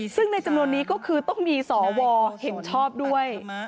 ซึ่งในจำนวนนี้ก็คือต้องมีสวเห็นชอบด้วย